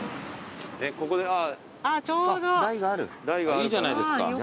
いいじゃないですか。